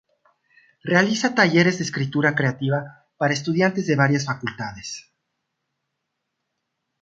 Realiza talleres de escritura creativa para estudiantes de varias facultades.